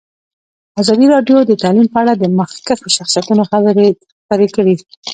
ازادي راډیو د تعلیم په اړه د مخکښو شخصیتونو خبرې خپرې کړي.